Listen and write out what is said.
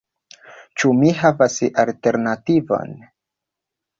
Ĉu mi havas alternativon?